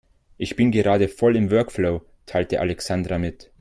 Ich bin gerade voll im Workflow, teilte Alexandra mit.